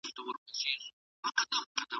احمد شاه ابدالي کابل ته ولې سفر وکړ؟